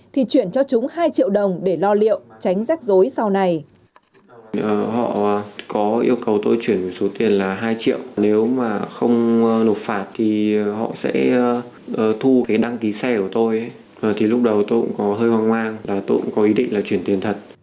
thì họ sẽ thu cái đăng ký xe của tôi thì lúc đầu tôi cũng có hơi hoang hoang và tôi cũng có ý định là chuyển tiền thật